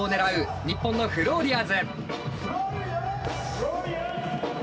日本のフローリアーズ。